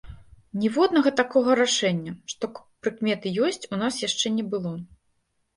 Ніводнага такога рашэння, што прыкметы ёсць, у нас яшчэ не было.